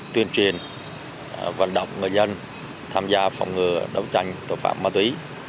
tuyên truyền vận động người dân tham gia phòng ngừa đấu tranh tội phạm ma túy